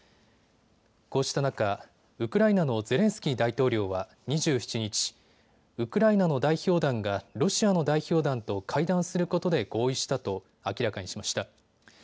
こうした中、ウクライナのゼレンスキー大統領は２７日、ウクライナの代表団がロシアの代表団と会談することで合意したと明らかにしました。